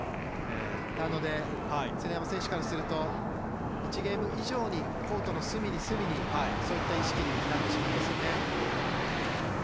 なので常山選手からすると１ゲーム以上にコートの隅に、隅にそういった意識になってしまいますね。